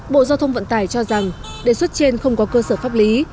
bộ giao thông vận tải cho rằng đề xuất trên không có cơ sở pháp lý